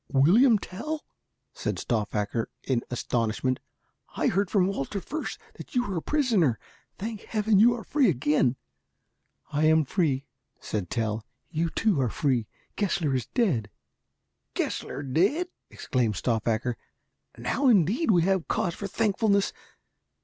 "William Tell!" said Stauffacher in astonishment. "I heard from Walter Fürst that you were a prisoner. Thank Heaven that you are free again." "I am free," said Tell; "you, too, are free. Gessler is dead." "Gessler dead!" exclaimed Stauffacher. "Now indeed have we cause for thankfulness.